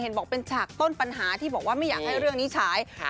บอกเป็นฉากต้นปัญหาที่บอกว่าไม่อยากให้เรื่องนี้ฉาย